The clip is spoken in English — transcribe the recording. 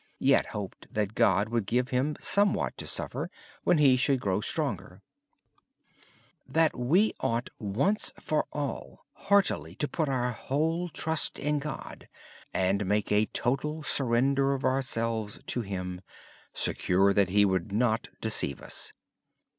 Yet he hoped that God would give him somewhat to suffer when he grew stronger. Brother Lawrence said we ought, once and for all, heartily put our whole trust in God, and make a total surrender of ourselves to Him, secure that He would not deceive us.